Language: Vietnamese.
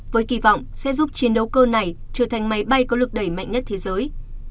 với kỳ vọng sẽ giúp chiến đấu cơ này trở thành máy bay có lực đẩy mạnh nhất thế giới